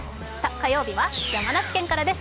火曜日は山梨県からです。